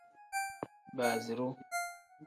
Basiru.